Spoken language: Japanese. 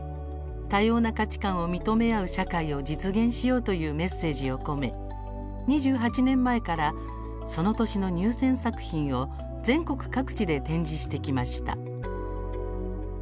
多様な価値観を認め合う社会を実現しようというメッセージを込め、２８年前からその年の入選作品を全国各地で展示してきました。